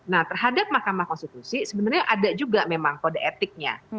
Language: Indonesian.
nah terhadap mahkamah konstitusi sebenarnya ada juga memang kode etiknya